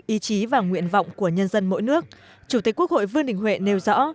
ý chí và nguyện vọng của nhân dân mỗi nước chủ tịch quốc hội vương đình huệ nêu rõ